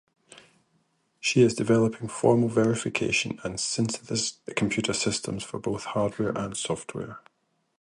She is developing formal verification and synthesis computer systems for both hardware and software.